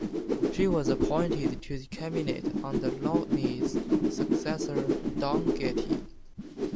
She was appointed to the cabinet under Lougheed's successor, Don Getty.